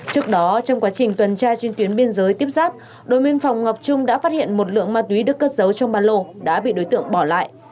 trước đó trong quá trình tuần tra trên tuyến biên giới tiếp giáp đội biên phòng ngọc trung đã phát hiện một lượng ma túy đức cất giấu trong ba lô đã bị đối tượng bỏ lại